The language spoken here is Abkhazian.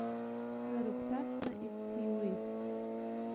Снарыгәҭасны исҭиуеит.